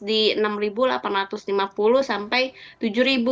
di enam delapan ratus lima puluh sampai tujuh